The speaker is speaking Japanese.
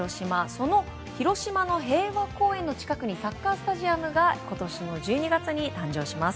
その広島の平和公園の近くにサッカースタジアムが今年の１２月に誕生します。